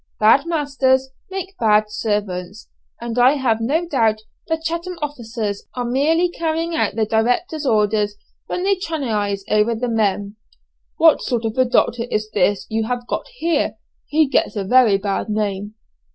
Bad masters make bad servants, and I have no doubt the Chatham officers are merely carrying out the directors' orders when they tyrannise over the men." "What sort of a doctor is this you have got here? he gets a very bad name."